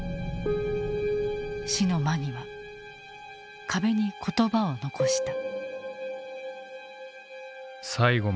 死の間際壁に言葉を残した。